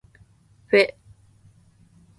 ふぇ